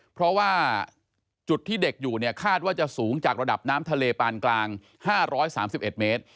เพราะว่าจุดที่เด็กอยู่เนี่ยคาดว่าจะสูงจากระดับน้ำทะเลปานกลาง๕๓๑เมตร